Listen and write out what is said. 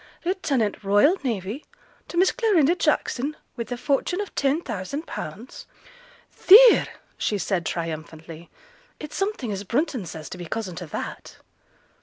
lieutenant Royal Navy, to Miss Clarinda Jackson, with a fortune of 10,000_l_.' 'Theere!' said she, triumphantly, 'it's something as Brunton says, to be cousin to that.'